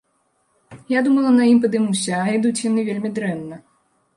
Я думала, на ім падымуся, а ідуць яны вельмі дрэнна.